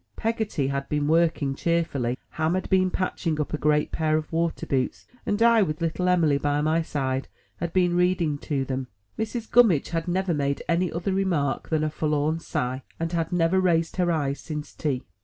Peggotty had been work ing cheerfully. Ham had been patching up a great pair of water boots, and I, with little Emly by my side, had been reading to them. Mrs. Gunmiidge had never made any other remark than a forlorn sigh, and had never raised her eyes since tea.